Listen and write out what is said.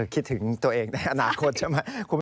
คิดถึงตัวเองในอนาคตใช่ไหม